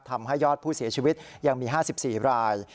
ทำให้ยอดผู้เสียชีวิตยังมี๕๔ราย